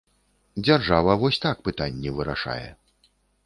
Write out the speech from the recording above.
Дзяржава вось так пытанні вырашае.